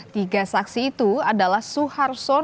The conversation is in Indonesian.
tiga saksi itu adalah suhar soehara